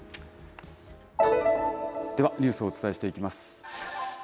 ではニュースをお伝えしていきます。